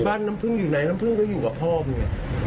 บ้านน้ำผึ้งอยู่ไหนน้ำผึ้งก็อยู่กับพ่อมัน